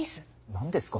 何ですか？